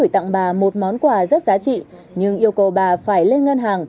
tặng bà một món quà rất giá trị nhưng yêu cầu bà phải lên ngân hàng